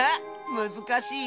むずかしい？